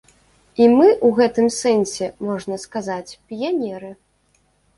І мы ў гэтым сэнсе, можна сказаць, піянеры.